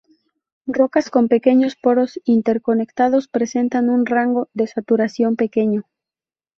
Rocas con pequeños poros interconectados presentan un rango de saturación pequeño.